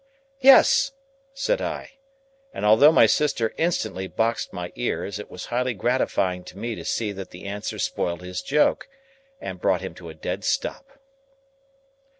"Yes!" said I. And although my sister instantly boxed my ears, it was highly gratifying to me to see that the answer spoilt his joke, and brought him to a dead stop.